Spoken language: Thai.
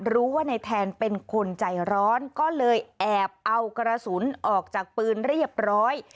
รู้ว่าในแทนเป็นคนใจร้อนก็เลยแอบเอากระสุนออกจากปืนเรียบร้อย